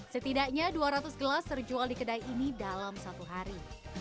setidaknya dua ratus gelas terjual di kedai ini dalam satu hari